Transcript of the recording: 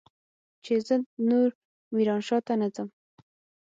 چې زه نور ميرانشاه ته نه ځم.